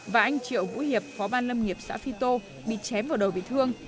và anh triệu vũ hiệp phó ban lâm nghiệp xã phi tô bị chém vào đầu bị thương